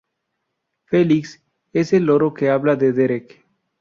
Felix: Es el loro que habla de Derek.